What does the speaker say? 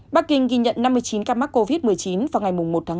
bắc kinh ghi nhận năm mươi chín ca mắc covid một mươi chín vào ngày một tháng một